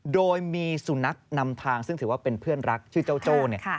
โดยมีสุนัขนำทางซึ่งถือว่าเป็นเพื่อนรักชื่อเจ้าโจ้เนี่ย